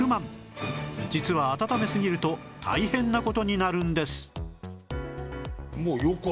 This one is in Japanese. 実は温めすぎると大変な事になるんです